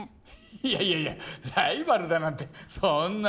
いやいやいやライバルだなんてそんな。